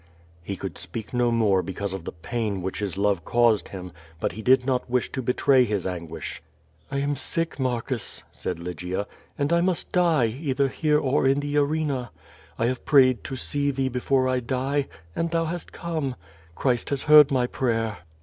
lie could speak no more because of the pain which his love caused him, but he did not wish to betray his anguish. "I am sick, Marcus," said Lygia, "and I must die, either here or in the arena. I have prayed to see thee before I die, and thou hast come. Christ has heard my prayer."